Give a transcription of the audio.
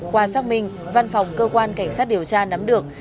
qua xác minh văn phòng cơ quan cảnh sát điều tra nắm được